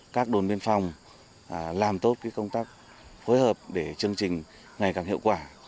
các đồn biên phòng làm tốt công tác phối hợp để chương trình ngày càng hiệu quả